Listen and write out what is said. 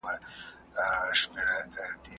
په څه ډول دوامداره تمرین د طبیعي وړتیا څخه مخکي کیږي؟